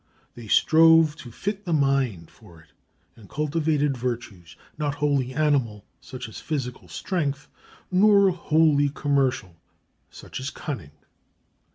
They strove to fit the mind for it, and cultivated virtues, not wholly animal such as physical strength, nor wholly commercial such as cunning.